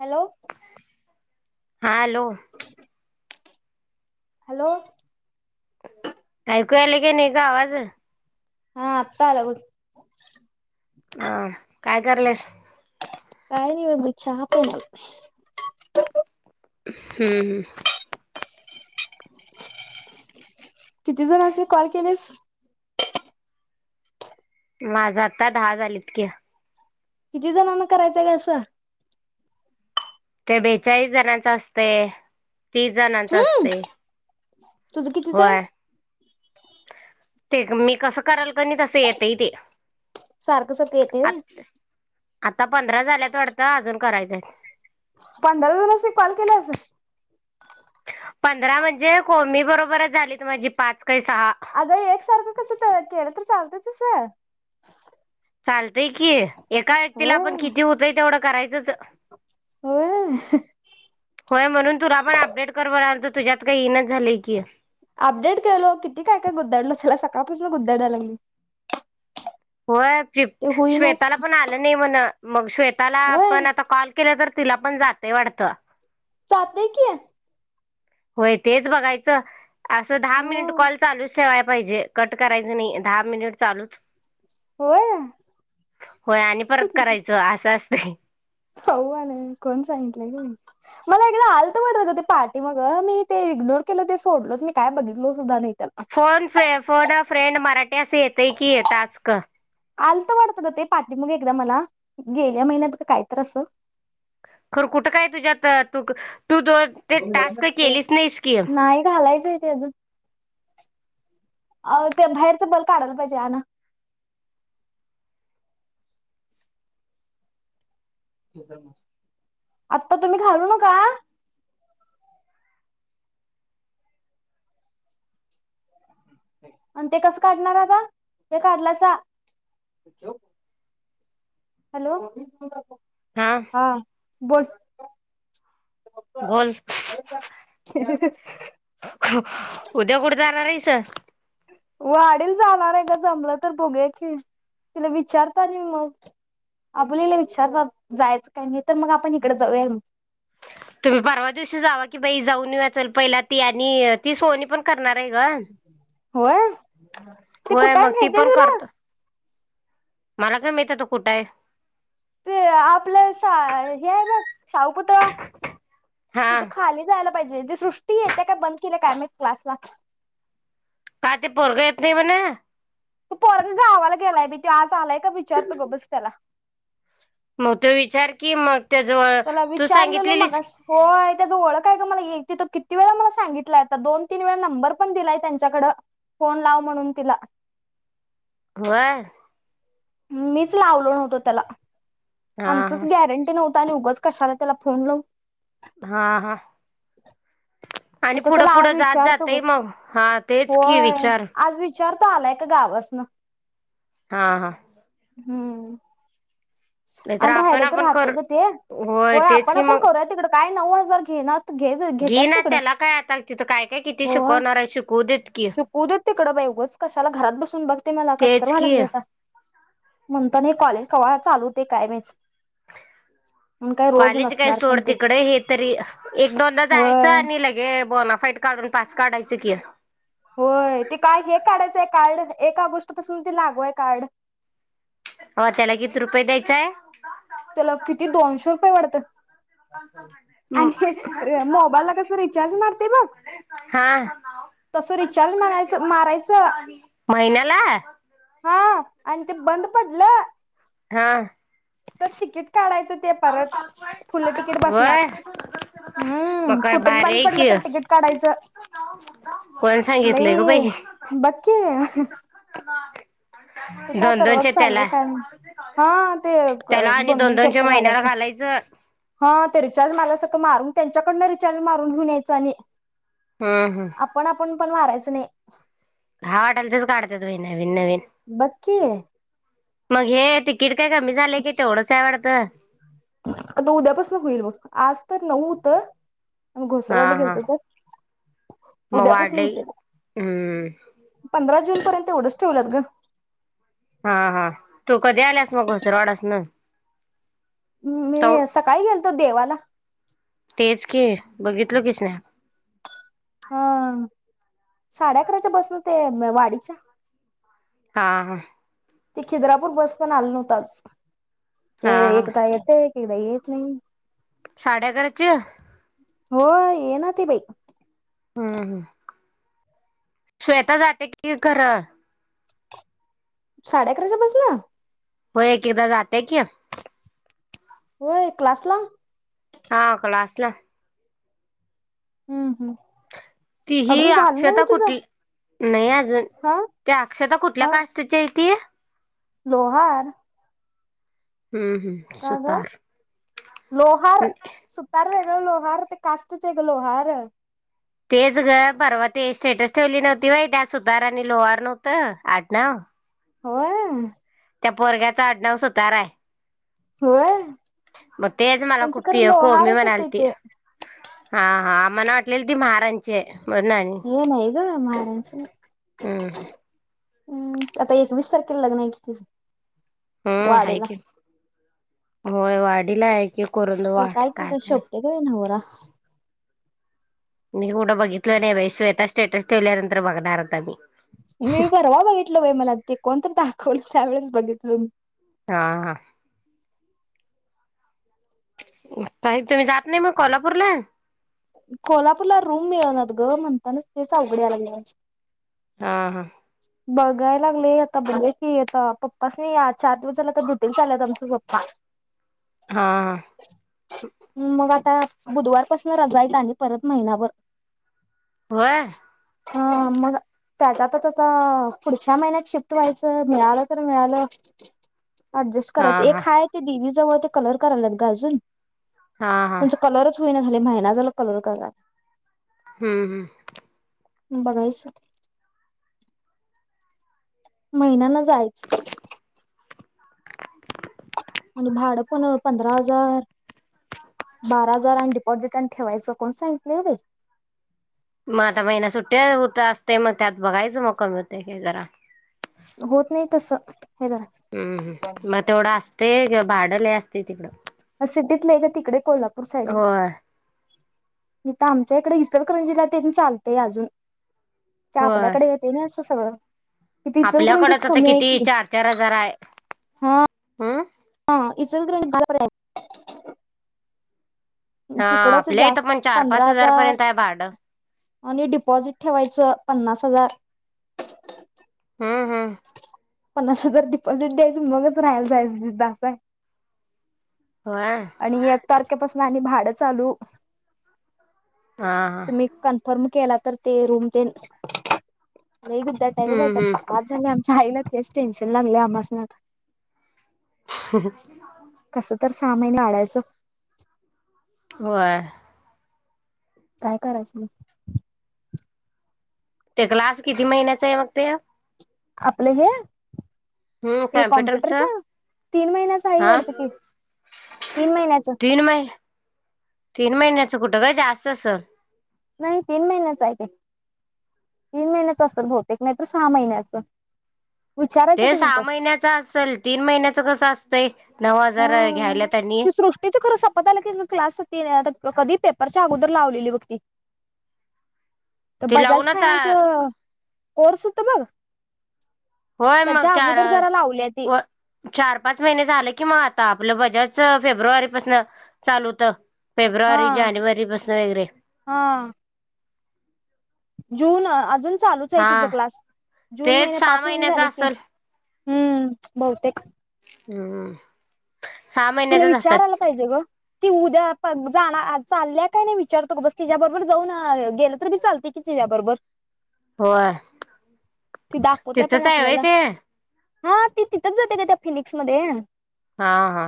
Hello हा hello hello ऐकू आले का नाही गं आवाज हा आता आला बघ अं काय करलेस काय नाही बघ चहा पिलो हम्म हम्म किती जनासणी कॉल केलेस माझा आता दहा झालेत कि किती जणांना करायचंय गं असं ते बेचाळीस जणांच असते तीस जणांच असते तुझं कितीच आहे होय ते मी कसं कराल कणी तस येतय ते सारखं सारखं येते व्हय आता आता पंधरा झाल्यात वाडतं अजून करायच आहेत पंधरा जाणासनी कॉल केल पंधरा म्हणजे कोमी बरोबरच झाली माझी पाच काही सहा अगं एकसारखं कसं केलं तर चालत कस चालतंय कि एका व्यक्तीला होय आपण किती होतोय तेवढ करायचंच होय होय म्हणून तुला पण अपडेट कर ब राल तुझ्यात काही इनाचं झालीय की अपडेट केलो किती काय काय गुद्धडलो त्याला सकाळपासून गुद्धडायला लागली होय ते होईनाच श्वेताला पण आलं नाही म्हण मग श्वेताला होय आपण आता कॉल केला तर तिला पण जातय वाटतं चालतय की होय तेच बघायचं असं दहा ह मिनिट कॉल चालूच ठेवाय पाहिजे कट करायच नाही दहा मिनिट चालूच होय होय आणि परत करायचं असं नाही होले कोण सांगितलंय की नाही मला एकदा आलत वाटत ग ते पहाटी मग मी ते इग्नोर केल ते सोडलो मी काय बघितल सुद्धा नाही त्याला फोन फ्रे फोन अ फ्रेंड मराठी असं येतय की टास्क आल तर वाटत ग ते पाठी मग एकदा मला गेल्या महिन्यात का काय तर असं खर कुठं काय तुझ्यात तू तू दो ते टास्क केलीच नाही की नाही घालायचंय ते अजून अ ते बाहेरच बल् काढायला पाहिजे आणा आता तुम्ही घालू नका आणि ते कस काढणार आता ते काढलासा हॅलो हा बोल बोल उद्या कुठे जाणारेस वाडील जाणार आहे ग जमलं तर बोघू की तिला विचारता नाही मग आपलीला विचारत जायचं काही नाही तर मग आपण इकडे जाऊया मग तुम्ही परवा दिवशी जावा की बाई जाऊन येऊया चल पहिला ती आणि ती सोनी पण करणार आहे ग होय ती होय कुठ आहे मग ती माहिती आहे पण तुला करतो मला काय माहित आता कुठ आहे ते आपलं हे आहे बघ शाहूपुतळा हा त तर खाली जायला पाहिजे सृष्टी आहे काय बंद केलं काय माहीत क्लासला काय ते पोरग येत नाही म्हणा तू परत गावाला गेलाय मी तू आज आलाय का विचारतो गबस त्याला मग तो विचार की मग त्याजवळ त्याला तू विचारलं ना सांगितलेलीस मगाशी होय त्याच ओळख काय ग मला तिथ किती वे मला सांगितलाय दोन तीन वेळा नंबर पण दिलाय त्यांच्याकड फोन लाव म्हणून तिला माझ्या होय मीच लावलो नव्हतो त्याला हा आमचच हा गॅरंटी नव्हत आणि उगच कशाला त्याला फोन लावून हा हा आणि आता पुढं त्याला आज पुढं जात विचारतो जातय ग मग हा तेच की होय विचार आज विचारतो आलाय का गावस ना हा हा हम्म नाहीतर आणि आपण राहिलं तर आपण कर राहतेय गं ते. होय, तेच की आपण-आपण मग करूया तिकडं काय.. नऊ हजार घे नात घे- घेत्यात ना तिकडं? त्याला काय आता तिथं काय काय किती हो, शिकवणार आहे शिकवू देत की शिकू देत तिकडं बाई उगाच कशाला घरात बसून बघते मला कस तरी तेच व्हायला की लागलं आता. म्हणत ना, कॉलेज कवा चालू होते काय माहीत? कॉलेज काय सोड तिकडे हे तरी, एक- दोनदा जायचं होय आणि लगे बोनाफाईट काढून पास काढायचं कि.. होय ते काय हे काढायचंय? काढलं एक ऑगस्ट पासून ते लागू हाय कार्ड. हो, त्याला किती रुपये द्यायचेय? त्याला किती दोनशे रुपये वाढतं? मोबाईलला कसं रिचार्ज मारते बघ हां.. तसं रिचार्ज मारायचं मारायचं महिन्याला? हा आणि ते बंद पडलं. हां तर तिकीट काढायचं ते परत फुल्ल तिकीट बसणार. व्हय मग हम्म, काय कोट च भारी बंद आहे पडलं की तर तिकीट काढायचं कोण सांगितलंय ग लई बाई बघ की? कुठे दोन तर रोजं दोनशे चाललेय त्याला काय, हां, ते दोन- दोनशे रुपये घालायचं. हां, ते रिचार्ज मारल्या सारंखं मारून त्यांच्याकडनं रिचार्ज मारून घेऊन यायचं आणि हं हं. आपण आपण पण मारायचं नाही. हा वाटाल तेच काढते त भहिना [unintelligible] बघ की? मग हे तिकीट काय कमी झालंय की तेवढंच आहे वाढतं. आता उद्यापासनं होईल बघ आज तर नव्हत. मग हा घोसरवाडला हा गेलत तर मग उद्यापासून वाढलंय होते हम्म पंधरा [unintelligible] जुन पर्यंत एवढंच ठेवलात ग. हां, हां तू कधी आलास मग घसरवाडस नं? मी सकाळी गेलतो देवाला. तेच की बघितल कीस ना हां. साडे अकराच्या बस नं ते वाडीच्या हां हं. ते खिद्रापूर बस पण आलं नव्हतं आज. ते हा हा ऐकदा येते. एकदा येत नाही. साड्या घरचं हो ये ना ती बाई. [inaudible] श्वेता जाते की खरं साडे अकराच्या बसला? हो एक एकदा जात कि ऐ क्लासला? हा क्लासला. हम्म हम्म. ती ही अजून झालं नाही व्हय अक्षता तिचं? कुठली? नाही अजून, हा त्या अक्षता कुठल्या हा कास्टची आहे ती? लोहार. हम्म हम्म काग सुतार लोहार, सुतार व्हय? लोहर ते काष्टचे ग लोहर? तेच ग परवा ते स्टेटस ठेवली नव्हती व्हय, त्यात सुतार आणि लोहार नव्हतं आडनाव होय? त्या पोरग्याचा आडनाव सुतार आहे. होय? मग तेच मला त्यांचं खूप खरं कोमी लोहारच म्हणाल येतय त ते. [unintelligible] हा हा मना वाटलेली ती म्हारांची. हे नाही ग महारच्या हम्म हम् आता एकवीस तारखे लग्न आहे कि तिचं. हम्म वाडीला. हायकी. होय वाडीला आहे कि. खर काय तूझा शोभतोय का नवरा? मी कुठं बघितलं नाही बाई श्वेता स्टेटस ठेवल्यानंतर बघणार आता मी. मी परवा बघितल वय मला ते कोणत दाखवल त्यावेळेस बघितलं. तम [unintelligible] हा हा. ताई तुम्ही जात नाही मग कोल्हापूरला? कोल्हापूरला रूम मिळनात गं, म्हणताना तेच अवघडला यायला लागलय आज. हा हा. बघायला लागले आता बघ [unintelligible] की आता पप्पासनी चार दिवस झाला तर ड्युटीवर चालेत आमचे पप्पा. हां. हम्म मग आता बुधवारपासनं रजा आहेत आणि परत महिनाभर होय? हां मग त्याचा आता त चा पुढच्या महिन्यात शिफ्ट व्हायचं मिळालं तर मिळालं. ऍडजस्ट हा करायचं एक हा हाय ते दिदीजवळ कलर करायल्यात गं अजून. हा हा त्यांचं कलरच होईना झालंय महिना झालं कलर [unintelligible] हम्म हम्म. बघायचं महिन्यानं जायचं. म्हणजे भाडं पण पंधरा हजार बारा हजार आणि डिपॉझिट आणि ठेवायचं कोण सांगितलंय गं बाई. मग आता महिना सुट्ट्या होत असतंय मग त्यात बघायचं मग कमी होतंय काय जरा. होत नाही तसं. हे जरा हम्म हम्म मग तेवढं असतंय [unintelligible] भाडं लय असतंय तिकडं. सिटीत लय गं तिकडे कोल्हापूर साईडला. होय इथं आमच्याइकडे इचलकरंजीला तेन चालतंय अजून. ते आपल्याकडे येतंय ना [unintelligible] सगळं. तिथे इचलकरंजीत आल्याकडंच आता कमी आहे किती की चार-चार हजार हाय. हं? इचलकरंजीत [unintelligible] हा तिकडं असं आपल्या इथं जास्त पण चार पंधरा पाच हजार पर्यंत आहे भाडं आणि डिपॉझिट ठेवायचं. पन्नास हजार. हम्म हम्म. पन्नास हजार डिपॉझिट द्यायचं मगच राहायला जायचंं तिथं असं आहे. होय. तारखेपासनं आणि भाडं चालू. हा हा तुम्ही कन्फर्म केलात तर ते रूम तेन लय [unintelligible] आहे गं बाई हम्म त्याचा हम्म बास झालंय आम च्या आईला तेच टेन्शन लागलंय आमासनी आता. कसं [inaudible] तर सां महिलाडायच [unintelligible] होय काय करायचं. [unintelligible] ते क्लास किती महिन्याच आहे मग ते आपलं हे हम्म ते कॉम्प्युटरच हा तीन महिन्याच आहे वाटत कि तीन महिन्याच तीन महिने तीन महिन्याचं कुठं ग जास्त अस नाही तीन महिन्याच आहे ते तीन महिन्याच असेल, बहुतेक नाहीत सहा महिन्याच ते सहा महिन्याच असेल तीन महिन्याच कस अस. ते [unintelligible] नऊ हजार अ घ्यायल्यात आणि पत आलं की क्लास तेनी आता कधी पेपरच्या अगुदर लावलेली बघ ती तर ते बजाज लावून आता फायनान्स अ कोर्से हुत बग होय मग चार अ ती व्ह चार पाच महिने झाले की मग आ आपलं बजाजच फेब्रुवारीपासून अ चालू हुत हा फेब्रुवारी जानेवारी पसन वगैरे हा जून अजून चालूच हाय हा तिचा क्लास जून तेच महिने सहा पाच महिने महिन्याच झालं की असेल हम्म बहुतेक हम. तिला विचारायला पाहिजे ग. ती उद्या पग जाणाआ चाल्या काय नाही विचारतो गबस तिज्याबरबर जाऊन अ् गेलं तर बी चालते की तिज्याबरबर होय ती दाखवत्या पण तिथंच आहे वय आपल्याला ते? हा ती तिथंच जात्या ग त्या फिनिक्समध्ये हा हा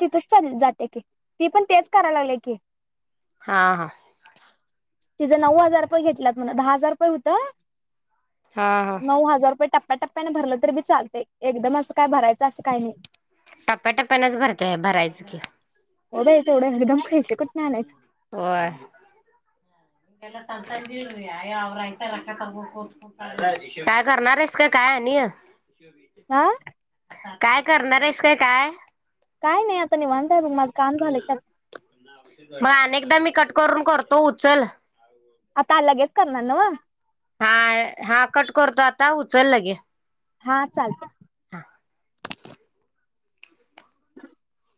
तिथच चाल जात्या की ती पण तेच करालागल्या की हा हा तिझं नऊ हजार रुपये घेतल्यात म्हण दहा हजार रुपये हुत हा हा नऊ हजार रुपये टप टप्प्याट्टप्प्यान भरलं तरी बी चालतय एकदम असं काय भरायचं असं काय नई टप्प्याटप्प्यानच भरतोय भरायचं की बई तेवढ एकदम पाहीजे पैशे होय. काय करणार हायस का काय आणिय आा काय करणार आहेस का काय? काय नाई आता निवांत आहे बघ माझं काम झालं की आता म अनेकदा मी कट करून करतो उचल आता अ लगेच करणार न्हव हाअ हा कट करतो आता उचल लगे हा चालतय [inaudible]